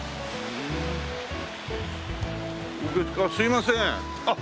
すいませんあっ